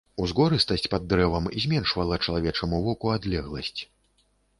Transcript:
Узгорыстасць пад дрэвам зменшвала чалавечаму воку адлегласць.